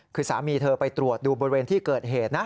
คือสามีเธอไปตรวจดูบริเวณที่เกิดเหตุนะ